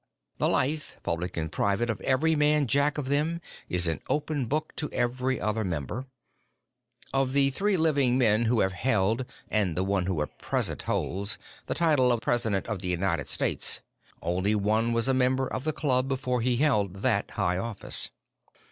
The life, public and private, of every man Jack of them is an open book to every other member. Of the three living men who have held and the one who at present holds the title of President of the United States, only one was a member of the club before he held that high office.